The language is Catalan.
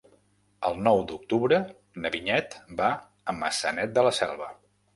El nou d'octubre na Vinyet va a Maçanet de la Selva.